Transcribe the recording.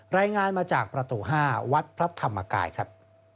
รายงานมาจากประตู๕วัดพระธรรมกายครับ